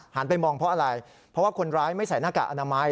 ไปมองเพราะอะไรเพราะว่าคนร้ายไม่ใส่หน้ากากอนามัย